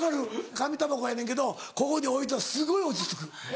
紙たばこやねんけどここに置いたらすごい落ち着く。